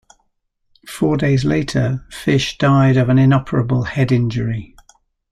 Four days later, Fish died of an inoperable head injury.